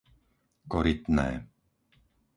Korytné